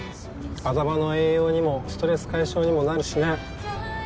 頭の栄養にもストレス解消にもなるしね。